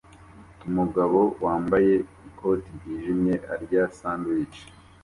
Umugabo wambaye ikoti ryijimye arya sandwich